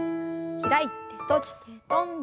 開いて閉じて跳んで。